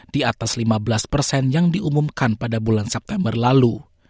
di atas lima belas persen yang diumumkan pada bulan september lalu